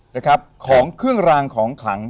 นะครับของเครื่องรางของขลัง